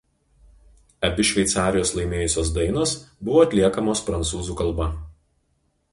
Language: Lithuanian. Abi Šveicarijos laimėjusios dainos buvo atliekamos prancūzų kalba.